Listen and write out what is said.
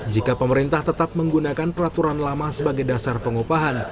jika pemerintah tetap menggunakan peraturan lama sebagai dasar pengupahan